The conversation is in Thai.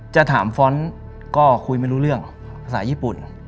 จะถามฟ้อนต์ก็คุยไม่รู้เรื่องภาษาญี่ปุ่น